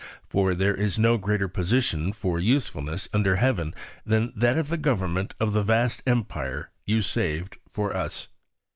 For there is no greater position for usefulness under heaven than that of the government of the vast Empire you saved for us.